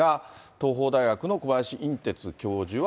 東邦大学の小林寅てつ教授は。